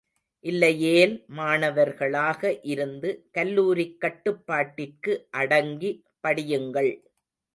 இல்லையேல் மாணவர்களாக இருந்து கல்லூரிக் கட்டுப்பாட்டிற்கு அடங்கி படியுங்கள்.